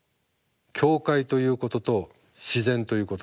教会ということと自然ということ。